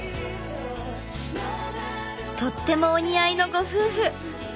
とってもお似合いのご夫婦！